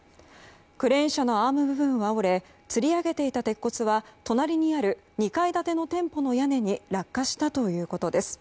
クレーン車のアーム部分は折れつり上げていた鉄骨は隣にある２階建ての店舗の屋根に落下したということです。